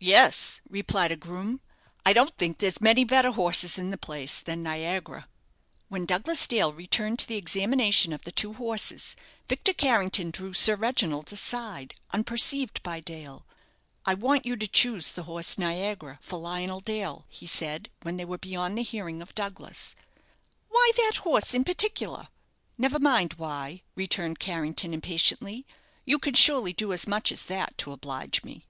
"Yes," replied a groom; "I don't think there's many better horses in the place than 'Niagara.'" When Douglas Dale returned to the examination of the two horses, Victor Carrington drew Sir Reginald aside, unperceived by Dale. "I want you to choose the horse 'Niagara' for Lionel Dale," he said, when they were beyond the hearing of Douglas. "Why that horse in particular?" "Never mind why," returned Carrington, impatiently. "You can surely do as much as that to oblige me."